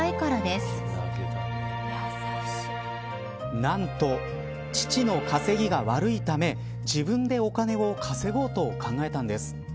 何と父の稼ぎが悪いため自分でお金を稼ごうと考えたんです。